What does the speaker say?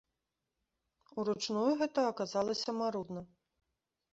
Уручную гэта аказалася марудна.